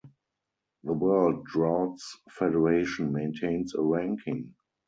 The World Draughts Federation maintains a ranking.